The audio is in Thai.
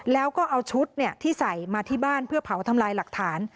แล้วก็เอาชุดที่ใส่มาที่บ้านเพื่อเผาทำลายหลักฐาน